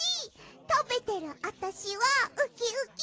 たべてるあたしはウキウキ！